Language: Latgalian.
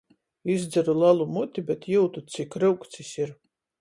Izdzeru lelu muti, bet jiutu, cik ryugts jis ir.